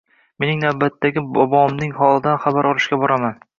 Mening navbatdagi bobomning holidan xabar olishga boraman